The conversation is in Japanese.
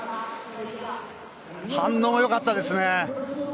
反応がよかったですね。